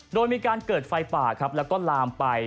โดยมีการเกิดไฟป่าและลามไป